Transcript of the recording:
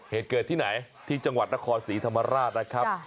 เหตุเกิดที่ไหนที่จังหวัดนครศรีธรรมราชนะครับ